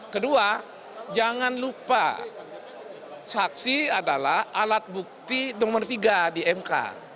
kedua jangan lupa saksi adalah alat bukti nomor tiga di mk